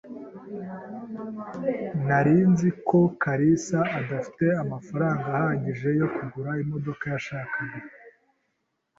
Nari nzi ko kalisa adafite amafaranga ahagije yo kugura imodoka yashakaga.